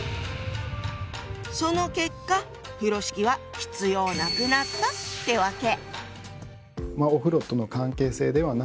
その結果風呂敷は必要なくなったってわけ。